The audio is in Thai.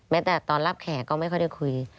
แต่ตอนรับแขกก็ไม่ค่อยได้คุย